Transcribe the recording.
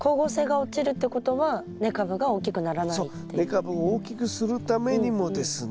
根株を大きくするためにもですね